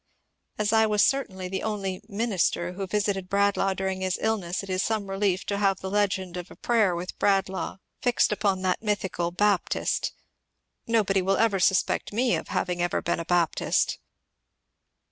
" As I was certainly the only " minister " who visited Bradlaugh during his illness, it is some relief to have the legend of a prayer with Bradlaugh fixed upon that my THE WOBD RELIGION 399 thical *' Baptist." Nobody will ever suspect me of having ever been a Baptist.